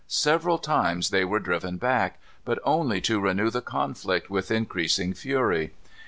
Several times they were driven back, but only to renew the conflict with increasing fury.